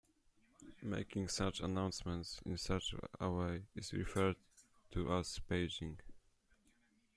Making such announcements in such a way is referred to as paging.